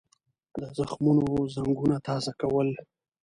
د زخمونو زنګونه تازه کول.